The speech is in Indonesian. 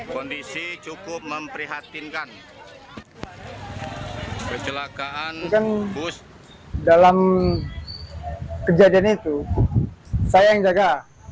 kejadian itu saya yang jaga